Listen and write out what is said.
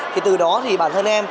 thì từ đó thì bản thân em